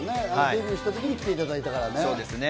デビューした時に来ていただいたからね。